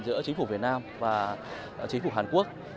giữa chính phủ việt nam và chính phủ hàn quốc